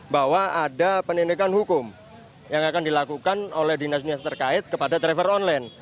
bahwa ada penindakan hukum yang akan dilakukan oleh dinas dinas terkait kepada driver online